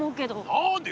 何で？